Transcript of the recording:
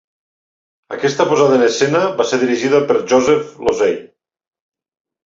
Aquesta posada en escena va ser dirigida per Joseph Losey.